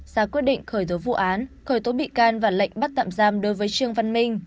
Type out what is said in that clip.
ra quyết định khởi tố vụ án khởi tố bị can và lệnh bắt tạm giam đối với trương văn minh